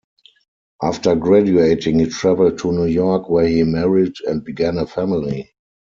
After graduating, he travelled to New York where he married and began a family.